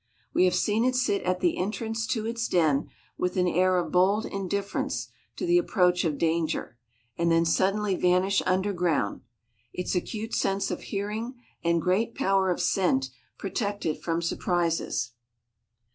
We have seen it sit at the entrance to its den with an air of bold indifference to the approach of danger and then suddenly vanish under ground. Its acute sense of hearing and great power of scent protect it from surprises.